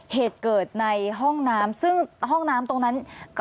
เหตุเกิดในห้องน้ำซึ่งห้องน้ำตรงนั้น